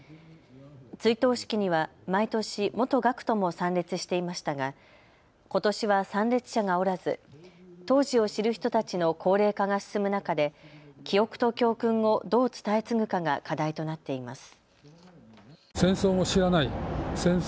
追悼式には毎年、元学徒も参列していましたがことしは参列者がおらず当時を知る人たちの高齢化が進む中で記憶と教訓をどう伝え継ぐかが課題となっています。